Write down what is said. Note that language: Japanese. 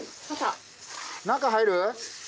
中入る？